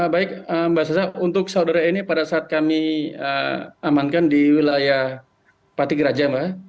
baik mbak sasa untuk saudara eni pada saat kami amankan di wilayah pati geraja mbak